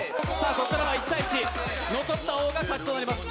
こっからは１対１残ったほうが勝ちとなります